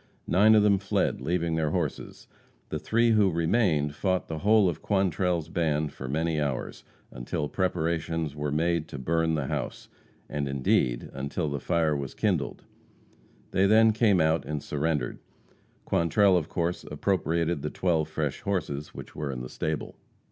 Nine of them fled, leaving their horses. The three men who remained fought the whole of Quantrell's band for many hours, until preparations were made to burn the house, and, indeed, until the fire was kindled. They then came out and surrendered. Quantrell, of course, appropriated the twelve fresh horses which were in the stable.